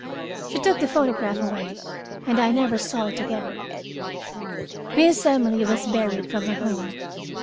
She took the photograph away, and I never saw it again. Miss Emily was buried from her home.